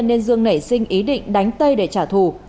nên dương nảy sinh ý định đánh tây để trả thù